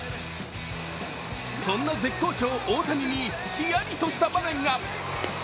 そんな絶好調・大谷にヒヤリとした場面が。